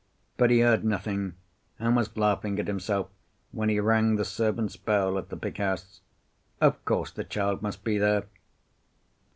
But he heard nothing, and was laughing at himself when he rang the servants' bell at the big house. Of course, the child must be there.